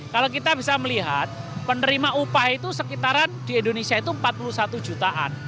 kalau kita bisa melihat penerima upah itu sekitaran di indonesia itu empat puluh satu jutaan